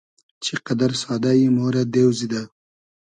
چی قئدئر سادۂ یی ، مۉرۂ دېو زیدۂ